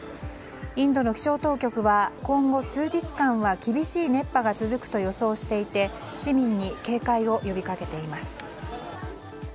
インドの気象当局は今後数日間は厳しい熱波が続くと予想していて市民に警戒を呼びかけています。